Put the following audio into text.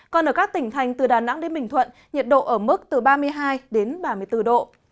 còn ở các tỉnh thành từ đà nẵng đến bình thuận nhiệt độ ở mức từ ba mươi hai đến ba mươi bốn độ